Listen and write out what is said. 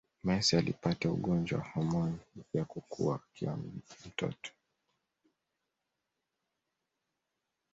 Messi alipata ugonjwa wa homoni ya kukua akiwa mtoto